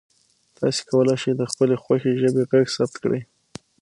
تاسو کولی شئ د خپلې خوښې ژبې غږ ثبت کړئ.